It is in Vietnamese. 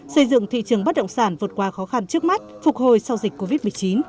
xây dựng thị trường bất động sản vượt qua khó khăn trước mắt phục hồi sau dịch covid một mươi chín